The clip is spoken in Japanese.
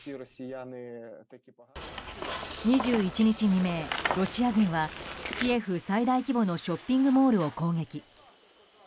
２１日未明、ロシア軍はキエフ最大規模のショッピングモールを攻撃。